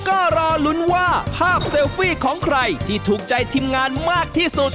ก็รอลุ้นว่าภาพเซลฟี่ของใครที่ถูกใจทีมงานมากที่สุด